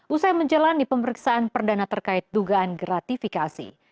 usai menjalani pemeriksaan perdana terkait dugaan gratifikasi